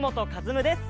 夢です。